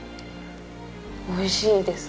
おいしいです。